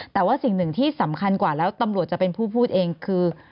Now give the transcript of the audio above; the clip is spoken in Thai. แต่ว่าสิ่งหนึ่งที่สำคัญกว่าแล้วตำรวจจะเป็นผู้พูดเองคือ